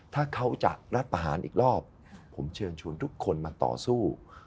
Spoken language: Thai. ถ้าเขาจะรัฐประหารอีกรอบผมเชิญชวนทุกคนมาต่อสู้